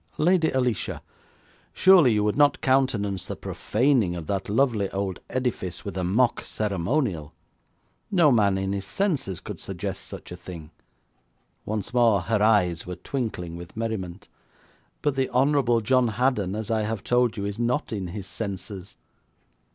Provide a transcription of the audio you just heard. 'Lady Alicia, surely you would not countenance the profaning of that lovely old edifice with a mock ceremonial? No man in his senses could suggest such a thing!' Once more her eyes were twinkling with merriment. 'But the Honourable John Haddon, as I have told you, is not in his senses.'